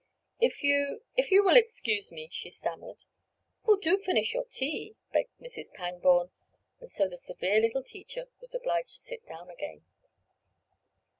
"If you—if you will excuse me," she stammered. "Oh, do finish your tea," begged Mrs. Pangborn, and so the severe little teacher was obliged to sit down again.